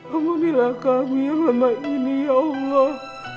amunilah kami yang lama ini ya allah